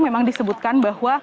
memang disebutkan bahwa